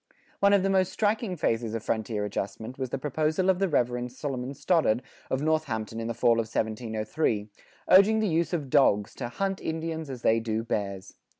[45:4] One of the most striking phases of frontier adjustment, was the proposal of the Rev. Solomon Stoddard of Northampton in the fall of 1703, urging the use of dogs "to hunt Indians as they do Bears."